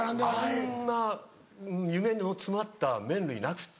あんな夢の詰まった麺類なくて。